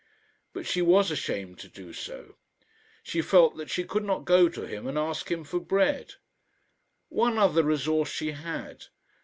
But she was ashamed to do so. She felt that she could not go to him and ask him for bread. One other resource she had.